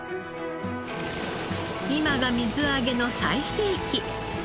今が水揚げの最盛期。